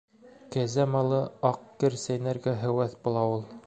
Кәзә малы аҡ кер сәйнәргә һәүәҫ була ул.